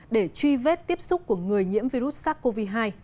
để truy vết tiếp xúc của người nhiễm virus sars cov hai